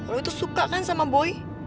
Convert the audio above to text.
lo itu suka kan sama boy